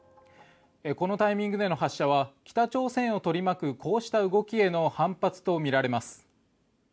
このタイミングでの発射は北朝鮮を取り巻くこれらの動きへの反発とみられます。